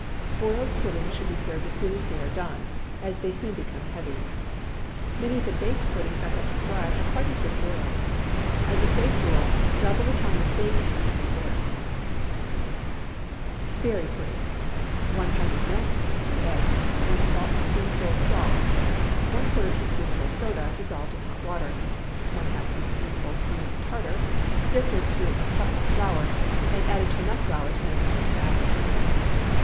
Boiled puddings should be served as soon as they are done, as they soon become heavy. Many of the baked puddings I have described are quite as good boiled. As a safe rule, double the time of baking if you boil. BERRY PUDDING. 1 pint of milk. 2 eggs. 1 saltspoonful salt. ¼ teaspoonful soda, dissolved in hot water. ½ teaspoonful cream tartar, sifted through a cup of flour, and added to enough flour to make a thick batter.